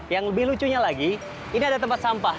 yang lebih lucunya lagi ini ada tempat sampah